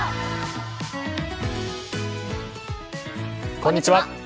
こんにちは。